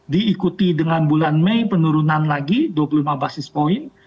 diikuti dengan bulan mei penurunan lagi dua puluh lima basis point